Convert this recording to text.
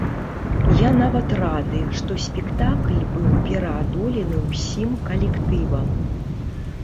Я нават рады, што спектакль быў пераадолены ўсім калектывам.